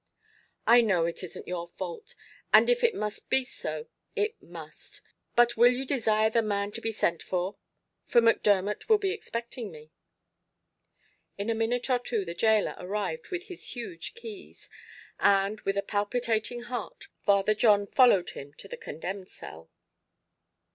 "I know it isn't your fault; and if it must be so, it must. But will you desire the man to be sent for, for Macdermot will be expecting me?" In a minute or two the gaoler arrived with his huge keys, and, with a palpitating heart, Father John followed him to the condemned cell.